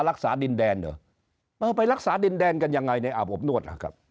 รักษาดินแดนเหรอเออไปรักษาดินแดนกันยังไงในอาบอบนวดล่ะครับ